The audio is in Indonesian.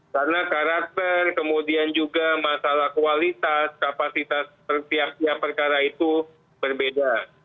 karena karakter kemudian juga masalah kualitas kapasitas setiap setiap perkara itu berbeda